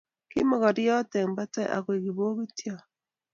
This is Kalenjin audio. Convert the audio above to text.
ki mokoriot eng patai koek kipokityot